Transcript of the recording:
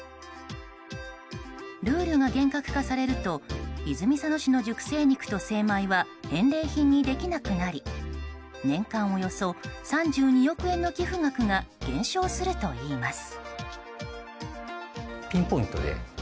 ルールが厳格化されると泉佐野市の熟成肉と精米は返礼品にできなくなり年間およそ３２億円の寄付額が減少するといいます。